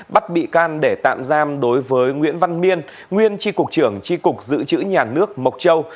bắt bị can để tạm giam đối với nguyễn văn miên nguyên tri cục trưởng tri cục dự trữ nhà nước mộc châu